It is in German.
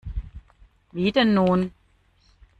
Wie denn nun?